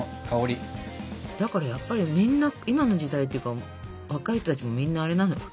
だからやっぱりみんな今の時代っていうか若い人たちもみんなあれなのよ。